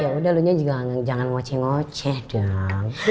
ya udah lu nya juga jangan ngoceh ngoceh dong